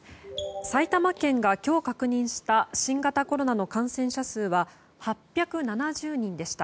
埼玉県が今日確認した新型コロナの感染者数は８７０人でした。